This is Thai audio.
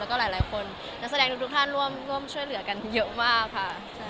แล้วก็หลายคนนักแสดงทุกท่านร่วมช่วยเหลือกันเยอะมากค่ะ